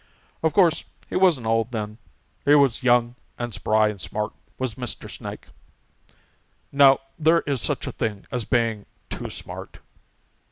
Of course he wasn't old then. He was young and spry and smart, was Mr. Snake. Now there is such a thing as being too smart.